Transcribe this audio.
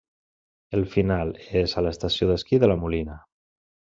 El final és a l'estació d'esquí de La Molina.